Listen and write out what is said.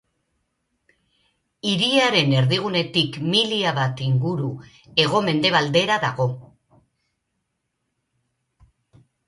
Hiriaren erdigunetik milia bat inguru hego-mendebaldera dago.